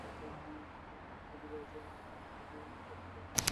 কিন্তু আমার একটা প্রতিভা আছে, আমি জানি আপনার কাছে তার মূল্য হবে অনেক।